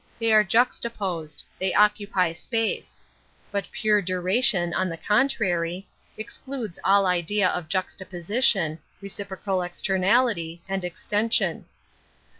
They are juxtaposed ; they occupy space. But pure duration, on the contrary, excludes all idea of juxtaposition, |. liprocal externality, and extension.